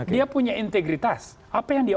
dia punya integritas apa yang dia